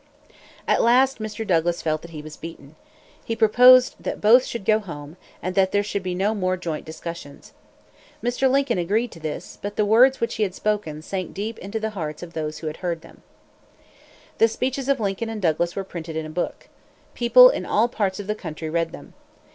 At last, Mr. Douglas felt that he was beaten. He proposed that both should go home, and that there should be no more joint discussions. Mr. Lincoln agreed to this; but the words which he had spoken sank deep into the hearts of those who heard them. The speeches of Lincoln and Douglas were printed in a book. People in all parts of the country read them.